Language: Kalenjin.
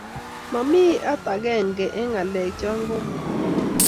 Mami at agenge eng ngalek cho komang?